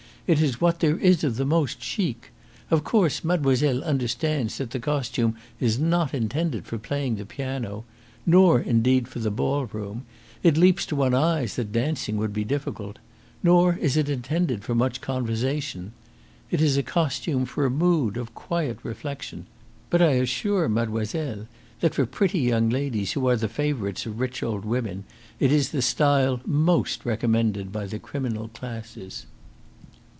It is what there is of most CHIC. Of course, mademoiselle understands that the costume is not intended for playing the piano. Nor, indeed, for the ballroom. It leaps to one's eyes that dancing would be difficult. Nor is it intended for much conversation. It is a costume for a mood of quiet reflection. But I assure mademoiselle that for pretty young ladies who are the favourites of rich old women it is the style most recommended by the criminal classes."